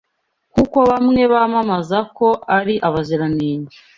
nkuko bamwe bamamaza ko ari abaziranenge